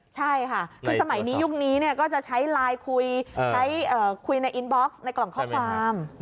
ใช่ค่ะคือสมัยนี้ยุคนี้ก็จะใช้ไลน์คุยใช้คุยในอินบ็อกซ์ในกล่องข้อความ